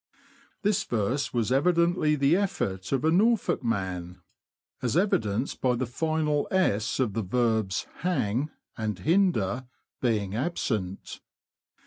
This verse was evidently the effort of a Norfolk man. Potter Heigham Bridge. as evidenced by the final .$• of the verbs "hang" and ''hinder" being absent.